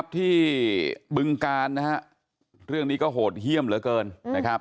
บึงกาลนะฮะเรื่องนี้ก็โหดเยี่ยมเหลือเกินนะครับ